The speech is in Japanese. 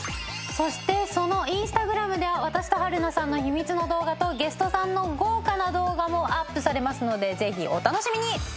そしてそのインスタグラムでは私と春菜さんの秘密の動画とゲストさんの豪華な動画もアップされますのでぜひお楽しみに。